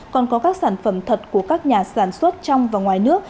còn có các sản phẩm thật của các nhà sản xuất trong và ngoài nước